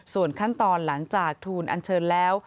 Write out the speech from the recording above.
ส่วนขั้นตอนหลังจากทูลอันเชิญแล้ว